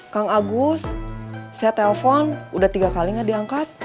kang agus saya telpon udah tiga kali gak diangkat